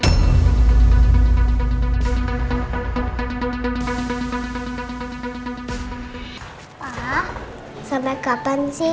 masal kenapa ya